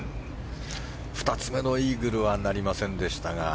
２つ目のイーグルはなりませんでしたが。